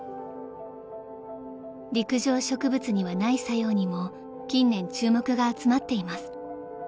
［陸上植物にはない作用にも近年注目が集まっています］